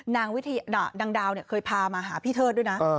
นางดาวเคยพามาหาพี่เทิดด้วยนะ